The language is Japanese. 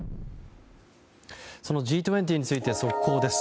そのＧ２０について速報です。